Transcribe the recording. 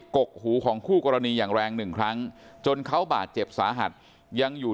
กกหูของคู่กรณีอย่างแรงหนึ่งครั้งจนเขาบาดเจ็บสาหัสยังอยู่